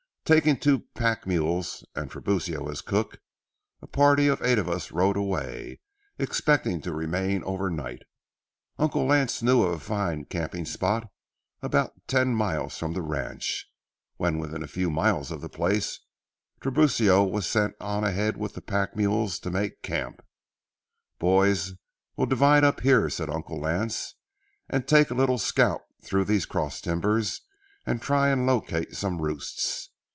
Taking two pack mules and Tiburcio as cook, a party of eight of us rode away, expecting to remain overnight. Uncle Lance knew of a fine camping spot about ten miles from the ranch. When within a few miles of the place, Tiburcio was sent on ahead with the pack mules to make camp. "Boys, we'll divide up here," said Uncle Lance, "and take a little scout through these cross timbers and try and locate some roosts.